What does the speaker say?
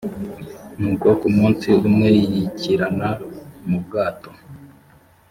nuko ku munsi umwe yikirana mu bwato